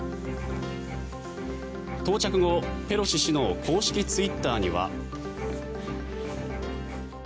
到着後、ペロシ氏の公式ツイッターには。